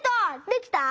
できた？